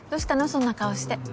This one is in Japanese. そんな顔して。